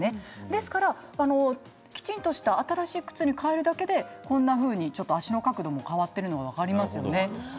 ですから、きちんとした新しい靴に替えるだけでこんなふうに右の写真のように足の角度が変わっているのが分かりますね。